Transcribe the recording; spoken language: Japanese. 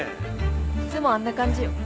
いつもあんな感じよ。